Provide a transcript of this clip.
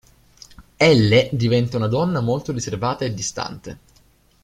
Elle diventa una donna molto riservata e distante.